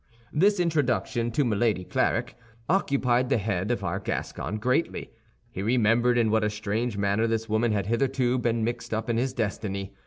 This introduction to Milady Clarik occupied the head of our Gascon greatly. He remembered in what a strange manner this woman had hitherto been mixed up in his destiny.